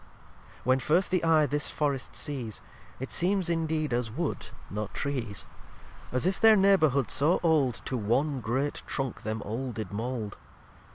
lxiii When first the Eye this Forrest sees It seems indeed as Wood not Trees: As if their Neighbourhood so old To one great Trunk them all did mold.